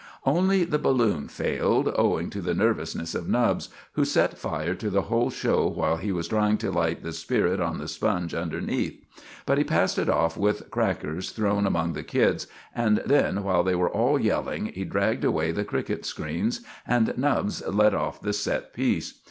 Only the balloon failed, owing to the nervousness of Nubbs, who set fire to the whole show while he was trying to light the spirit on the sponge underneath; but he passed it off with crackers thrown among the kids, and then, while they were all yelling, he dragged away the cricket screens, and Nubbs let off the set piece.